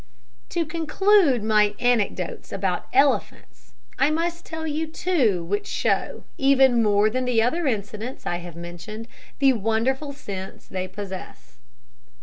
To conclude my anecdotes about elephants, I must tell you two which show, even more than the other incidents I have mentioned, the wonderful sense they possess.